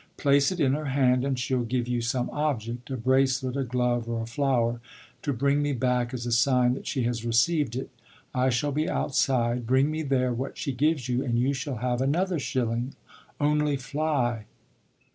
Place it in her hand and she'll give you some object a bracelet, a glove, or a flower to bring me back as a sign that she has received it. I shall be outside; bring me there what she gives you and you shall have another shilling only fly!"